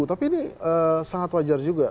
tapi ini sangat wajar juga